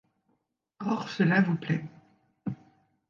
Or cela vous plaît.